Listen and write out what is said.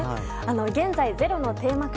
現在「ｚｅｒｏ」のテーマ曲